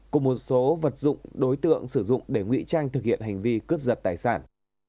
cùng một số vật dụng đối tượng sử dụng để ngụy trang thực hiện hành vi cướp giật tài sản